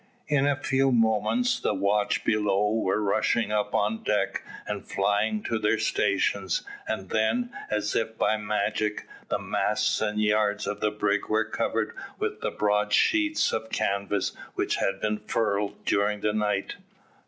In a few moments the watch below were rushing up on deck and flying to their stations, and then, as if by magic, the masts and yards of the brig were covered with the broad sheets of canvas which had been furled during the night.